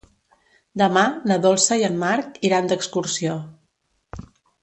Demà na Dolça i en Marc iran d'excursió.